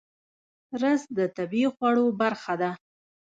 رس د طبیعي خواړو برخه ده